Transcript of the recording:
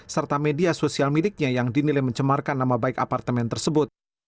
serta media sosial miliknya yang dinilai mencemarkan nama baik apartemen tersebut